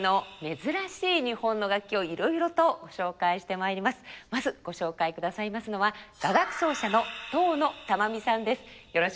まずご紹介くださいますのは雅楽奏者の東野珠実さんです。